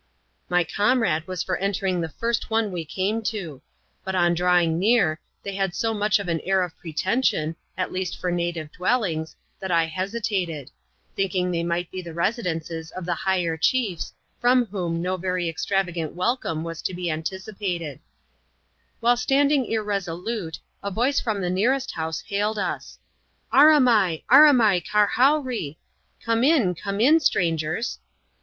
My comrade was for entering the first one we came to ; but, on drawing near, they had so much of an air of pretension, at least for native dwellings, that I hesitated ; thinking they might be the residences of the higher ehiefe, from whom no very ex travagaxit welconxe was to \)e asx^d^^\ft^» CTAP. Lxxm.] CUB RECEPTION IN PARTOOWTB. 281 While standing irresolute, a voice &om the nearest house hailed us :" Aramai! aramai, karhowree!" ("Come in! crane in, strangers!")